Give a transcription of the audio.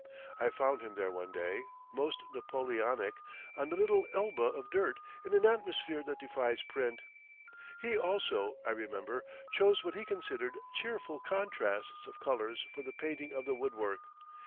I found him there one day, most Napoleonic, on a little Elba of dirt, in an atmosphere that defies print. He also, I remember, chose what he considered cheerful contrasts of colours for the painting of the woodwork.